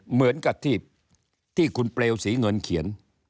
เหมือนกับที่คุณเปลวศรีเงินเขียน